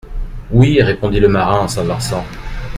Oui, répondit le marin en s'avançant.